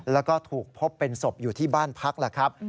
แล้วก็ถูกพบเป็นศพอยู่ที่บ้านพักล่ะครับ